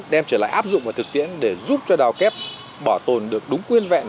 đem trở lại áp dụng và thực tiễn để giúp cho đào kép bảo tồn được đúng quyên vẹn